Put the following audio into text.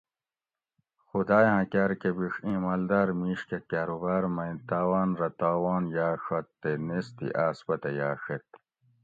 خُداۤیاۤں کاۤر کہ بِیڛ اِیں ماۤلداۤر مِیش کہ کاۤروباۤر مئ تاۤواۤن رہ تاوان یاۤڛت تے نیستی آۤس پتہ یاۤڛیت